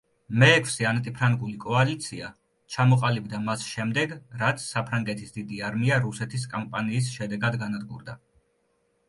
მეექვსე ანტიფრანგული კოალიცია ჩამოყალიბდა მას შემდეგ, რაც საფრანგეთის დიდი არმია რუსეთის კამპანიის შედეგად განადგურდა.